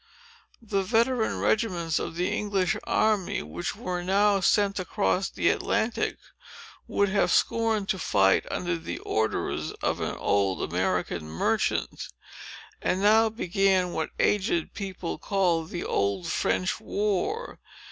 The veteran regiments of the English army, which were now sent across the Atlantic, would have scorned to fight under the orders of an old American merchant. And now began what aged people call the Old French War.